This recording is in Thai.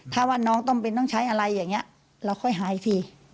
ถ้าว่าน้องต้องเป็นต้องใช้อะไรอย่างนี้เราค่อยหายสิ